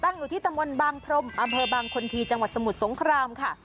อยู่ที่ตำบลบางพรมอำเภอบางคนทีจังหวัดสมุทรสงครามค่ะ